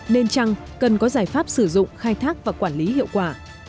nên chăng cần có giải pháp sử dụng khai thác và quản lý hiệu quả